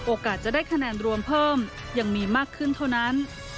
จะได้คะแนนรวมเพิ่มยังมีมากขึ้นเท่านั้น